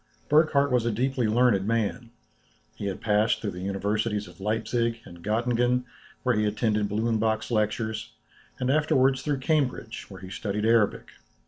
Burckhardt was a deeply learned man. He had passed through the universities of Leipzic, and Göttingen, where he attended Blumenbach's lectures, and afterwards through Cambridge, where he studied Arabic.